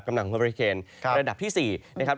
กำลังฝั่งภารการระดับที่๔นะครับ